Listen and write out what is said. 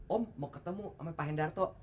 om mau ketemu sama pak hendarto